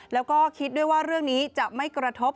แล้วก็คิดด้วยว่าเรื่องนี้จะไม่กระทบ